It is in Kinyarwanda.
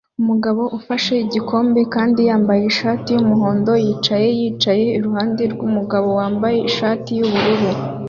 Umugabo ufashe igikombe kandi yambaye ishati yumuhondo yicaye yicaye iruhande rwumugabo wambaye ishati yubururu